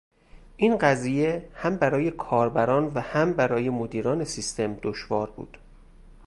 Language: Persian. این قضیه هم برای کاربران و هم برای مدیران سیستم دشوار بود.